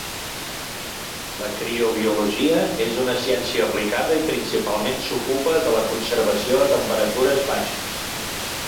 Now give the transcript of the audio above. La criobiologia és una ciència aplicada i principalment s'ocupa de la conservació a temperatures baixes.